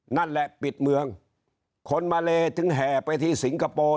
นั่นแหละปิดเมืองคนมาเลถึงแห่ไปที่สิงคโปร์